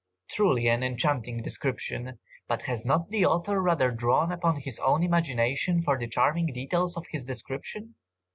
Truly an enchanting description! But has not the author rather drawn upon his imagination for the charming details of his description?